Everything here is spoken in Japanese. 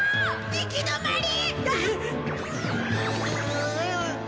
行き止まり！？